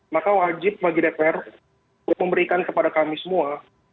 maka wajib bagi dpr untuk memberikan kepada kami semua